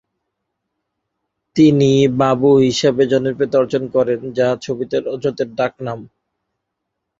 তিনি 'বাবু' হিসাবে জনপ্রিয়তা অর্জন করেন, যা ছবিতে রজত এর ডাকনাম।